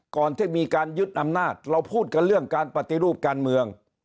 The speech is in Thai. ก่อนที่มีการยึดอำนาจเราพูดกันเรื่องการปฏิรูปการเมือง